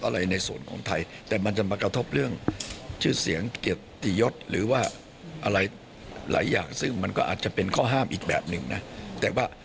เราก็นึกถือระบบตุลาการของเรา